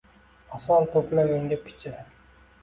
Asal to‘pla menga picha.